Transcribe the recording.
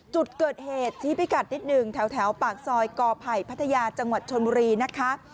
จุดเกิดเหตุชี้พิกัดนิดหนึ่งแถวปากซอยกอไผ่พัทยาจังหวัดชนบุรีนะคะ